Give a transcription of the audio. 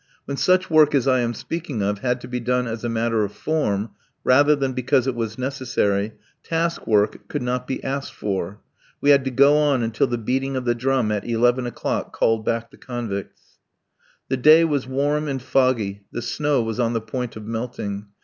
When such work as I am speaking of had to be done as a matter of form, rather than because it was necessary, task work could not be asked for. We had to go on until the beating of the drum at eleven o'clock called back the convicts. The day was warm and foggy, the snow was on the point of melting.